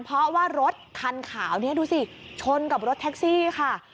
เพราะว่ารถคันขาวนี้ดูสิชนกับรถแท็กซี่ค่ะ